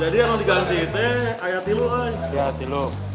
jadi kalau diganti itu ayati lo kan